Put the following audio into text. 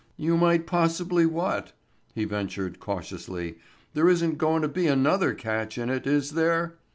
"You might possibly what?" he ventured, cautiously. "There isn't goin' to be another catch in it, is there?"